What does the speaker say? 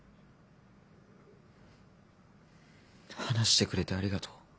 話してくれてありがとう。